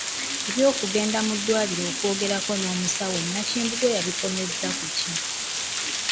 Eby’okugenda mu ddwaliro okwogerako ne musawo Nakimbugwe wabikomezza ku ki?